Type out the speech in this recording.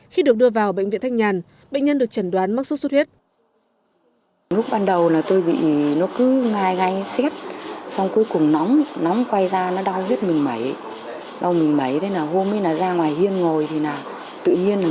khi được đưa vào bệnh viện thành nhãn bệnh nhân được chẩn đoán mắc xuất xuất huyết